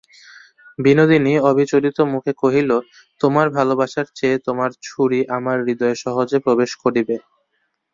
বিনোদিনী অবিচলিতমুখে কহিল, তোমার ভালোবাসার চেয়ে তোমার ছুরি আমার হৃদয়ে সহজে প্রবেশ করিবে।